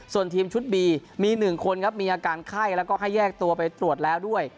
ส่วนทีมชุดบีมี๑คนครับมีอาการไข้แล้วก็ให้แยกตัวไปตรวจแล้วด้วย